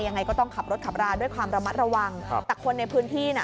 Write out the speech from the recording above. ยังไงก็ต้องขับรถขับราด้วยความระมัดระวังครับแต่คนในพื้นที่น่ะ